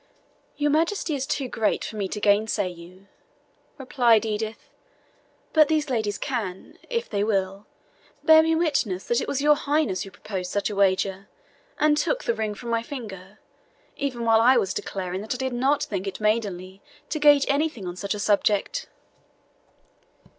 "Your Majesty is too great for me to gainsay you," replied Edith, "but these ladies can, if they will, bear me witness that it was your Highness who proposed such a wager, and took the ring from my finger, even while I was declaring that I did not think it maidenly to gage anything on such a subject."